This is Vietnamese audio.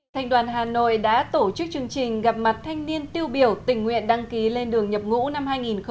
thành đoàn hà nội đã tổ chức chương trình gặp mặt thanh niên tiêu biểu tình nguyện đăng ký lên đường nhập ngũ năm hai nghìn một mươi chín